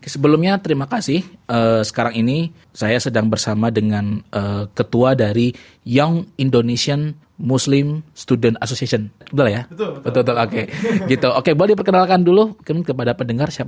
sampai jumpa di video selanjutnya